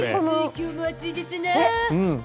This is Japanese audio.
今日も暑いですな。